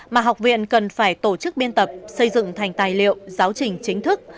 mà học viện cần phải tổ chức biên tập xây dựng thành tài liệu giáo trình chính thức